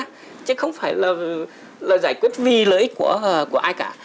chứ không phải là giải quyết vì lợi ích của ai cả